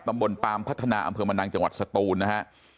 ตำบลปามพัฒนาอำเภอมะนังจังหวัดสตูนนะฮะ